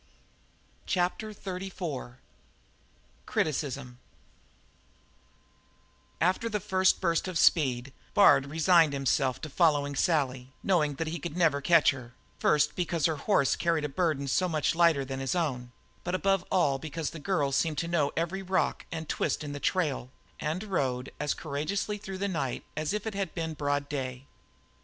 CHAPTER XXXIV CRITICISM After the first burst of speed, Bard resigned himself to following Sally, knowing that he could never catch her, first because her horse carried a burden so much lighter than his own, but above all because the girl seemed to know every rock and twist in the trail, and rode as courageously through the night as if it had been broad day.